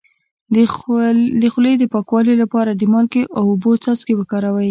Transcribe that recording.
د خولې د پاکوالي لپاره د مالګې او اوبو څاڅکي وکاروئ